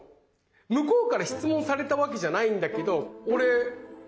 向こうから質問されたわけじゃないんだけど俺貯金額とか言ってる。